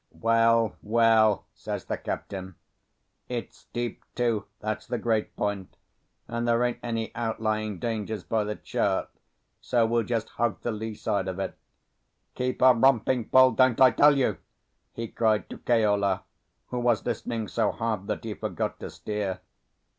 "Well, well," says the captain, "its steep to, that's the great point; and there ain't any outlying dangers by the chart, so we'll just hug the lee side of it. Keep her romping full, don't I tell you!" he cried to Keola, who was listening so hard that he forgot to steer.